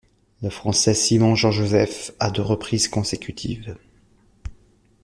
Le Français Simon Jean-Joseph à deux reprises consécutives.